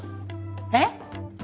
えっ？